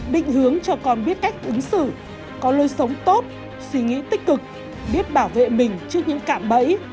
định hướng cho con biết cách ứng xử có lối sống tốt suy nghĩ tích cực biết bảo vệ mình trước những cạm bẫy